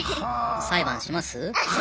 裁判します？